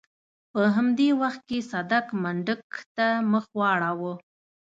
په همدې وخت کې صدک منډک ته مخ واړاوه.